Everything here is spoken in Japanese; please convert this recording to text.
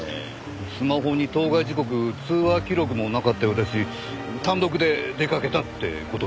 スマホに当該時刻通話記録もなかったようだし単独で出掛けたって事ですもんね。